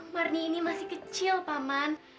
marni ini masih kecil paman